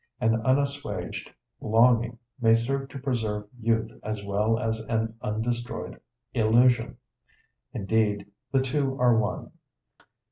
An unassuaged longing may serve to preserve youth as well as an undestroyed illusion; indeed, the two are one.